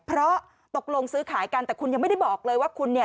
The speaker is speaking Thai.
เพราะตกลงซื้อขายกันแต่คุณยังไม่ได้บอกเลยว่าคุณเนี่ย